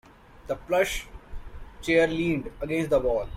The plush chair leaned against the wall.